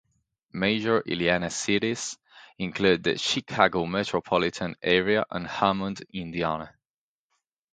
Major Illiana cities include the Chicago metropolitan area and Hammond, Indiana.